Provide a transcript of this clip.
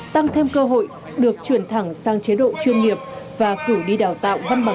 tăng thêm cơ hội được chuyển thẳng sang chế độ chuyên nghiệp và cử đi đào tạo văn bằng